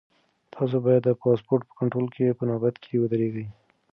تاسو باید د پاسپورټ په کنټرول کې په نوبت کې ودرېږئ.